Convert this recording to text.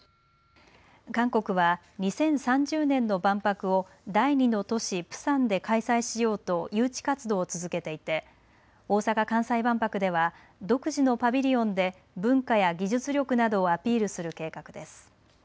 韓国は２０３０年の万博を第２の都市プサンで開催しようと誘致活動を続けていて大阪・関西万博では独自のパビリオンで文化や技術力などをアピールする計画です。